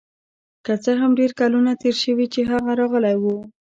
که څه هم ډیر کلونه تیر شوي چې هغه راغلی و